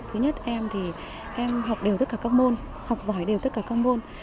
thứ nhất em thì em học đều tất cả các môn học giỏi đều tất cả các môn